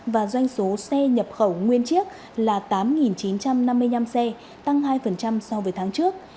và doanh số xe nhập khẩu nguyên chiếc là tám chín trăm năm mươi năm xe tăng hai so với tháng trước